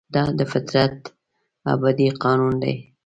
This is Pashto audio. دا د فطرت ابدي قانون دی.